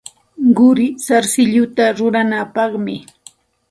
Quri sarsilluta ruranapaqmi.